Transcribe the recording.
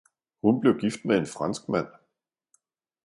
Hun blev gift med en franskmand.